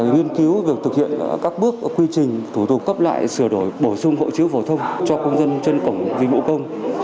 nghiên cứu việc thực hiện các bước quy trình thủ tục cấp lại sửa đổi bổ sung hộ chiếu phổ thông cho công dân trên cổng dịch vụ công